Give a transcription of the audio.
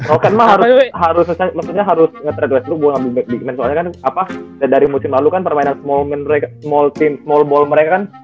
oh kan mah harus harus nge trade westbrook buat ambil big man soalnya kan apa dari musim lalu kan permainan small ball mereka kan